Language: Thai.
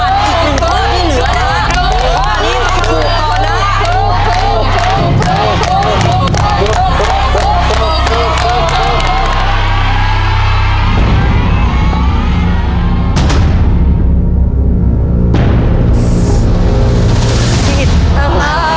ท่อนี้มันถูกต่อหน้า